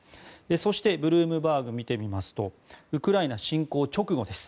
そしてブルームバーグ見てみますとウクライナ侵攻直後です。